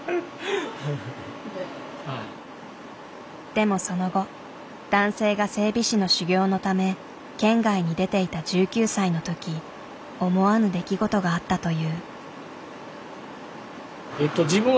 でもその後男性が整備士の修業のため県外に出ていた１９歳の時思わぬ出来事があったという。